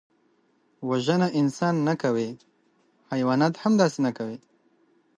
وژنه انسان نه کوي، حیوانات هم داسې نه کوي